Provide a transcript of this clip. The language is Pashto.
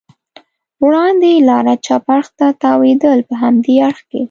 وړاندې لار چپ اړخ ته تاوېدل، په همدې اړخ کې.